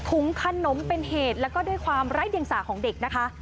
ขนมเป็นเหตุแล้วก็ด้วยความไร้เดียงสาของเด็กนะคะ